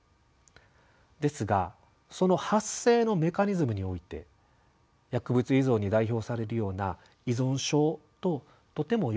ですがその発生のメカニズムにおいて薬物依存に代表されるような依存症ととてもよく似た部分があります。